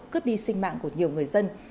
cướp đi sinh mạng của nhiều người dân